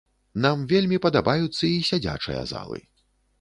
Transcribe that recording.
Нам вельмі падабаюцца і сядзячыя залы.